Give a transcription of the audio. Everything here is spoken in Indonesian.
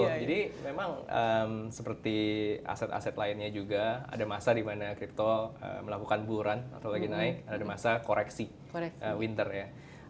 jadi memang seperti aset aset lainnya juga ada masa di mana crypto melakukan buruan atau lagi naik ada masa koreksi winter ya